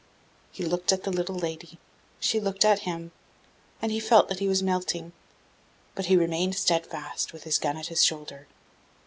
He looked at the little lady, she looked at him, and he felt that he was melting; but he remained steadfast, with his gun at his shoulder.